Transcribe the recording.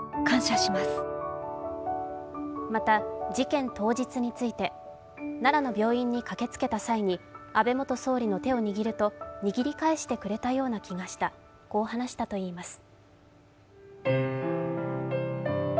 また事件当日について奈良の病院に駆けつけた際に、安倍元総理の手を握ると握り返してくれたような気がした、こう話したといいます。